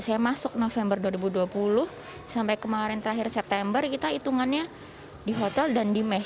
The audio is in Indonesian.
saya masuk november dua ribu dua puluh sampai kemarin terakhir september kita hitungannya di hotel dan di mesh